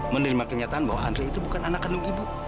menerima kenyataan bahwa andre itu bukan anak kandung ibu